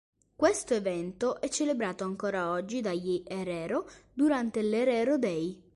Questo evento è celebrato ancora oggi dagli herero durante l’Herero Day.